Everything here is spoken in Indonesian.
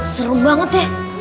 seru banget ya